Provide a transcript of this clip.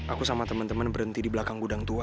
aku sama temen temen berhenti di belakang gudang tua